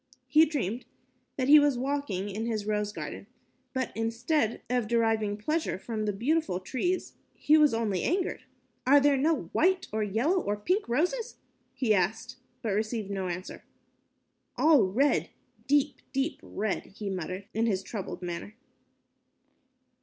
He dreamed that he was walking in his rose garden, but instead of deriving pleasure from the beautiful trees, he was only angered. "Are there no white, or yellow, or pink roses?" he asked, but received no answer. "All red, deep, deep red," he muttered, in his troubled manner.